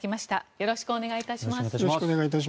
よろしくお願いします。